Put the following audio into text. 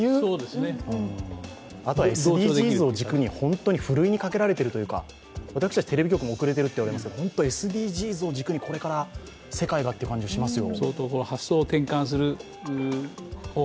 後はＳＤＧｓを軸にふるいにかけられているというか、私たちテレビ局も遅れてるっていわれてますけどこれから世界がという感じがしますよ。